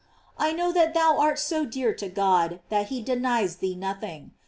I know that thou art so dear to God that he denies thee nothing.